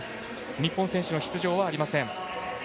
日本選手の出場はありません。